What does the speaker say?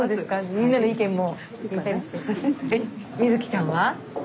みんなの意見も。